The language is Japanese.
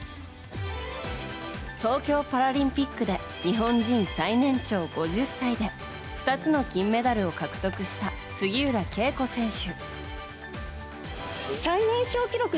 東京パラリンピックで日本人最年長５０歳で２つの金メダルを獲得した杉浦佳子選手。